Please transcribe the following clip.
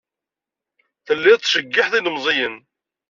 Telliḍ tettjeyyiḥeḍ ilemẓiyen.